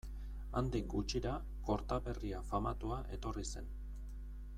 Handik gutxira, Kortaberria famatua etorri zen.